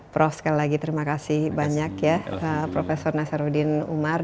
prof sekali lagi terima kasih banyak ya prof nasaruddin umar